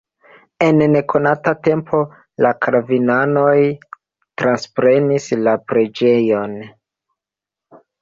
En nekonata tempo la kalvinanoj transprenis la preĝejon.